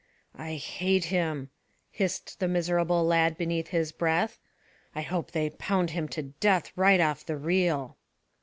"I hate him!" hissed the miserable lad beneath his breath. "I hope they pound him to death right off the reel."